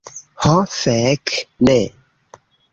Ho, fek, ne!